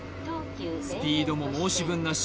スピードも申し分なし